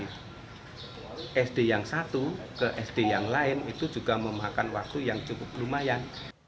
dari sd yang satu ke sd yang lain itu juga memakan waktu yang cukup lumayan